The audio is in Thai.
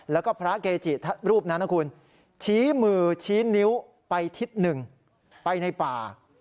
แล้วก็พระเกจิรูปนั้นนะคุณชี้มือชี้นิ้วไปทิศหนึ่งไปในป่า